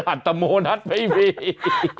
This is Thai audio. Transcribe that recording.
อัตโมนัสไม่มี